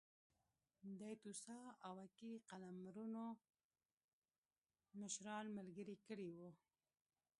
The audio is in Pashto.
د توسا او اکي قلمرونو مشران ملګري کړي وو.